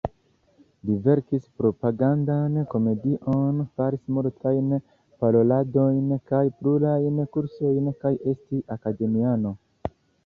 Li verkis propagandan komedion, faris multajn paroladojn kaj plurajn kursojn, kaj estis akademiano.